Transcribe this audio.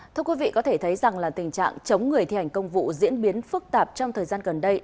thưa quý vị có thể thấy rằng là tình trạng chống người thi hành công vụ diễn biến phức tạp trong thời gian gần đây